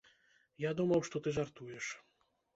Я думаў, што ты жартуеш.